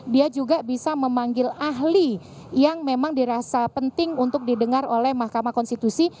dia juga bisa memanggil ahli yang memang dirasa penting untuk didengar oleh mahkamah konstitusi